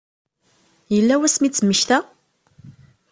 Yella wasmi i d-temmekta?